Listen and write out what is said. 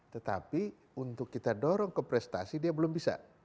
tetapi untuk kita dorong ke prestasi dia belum bisa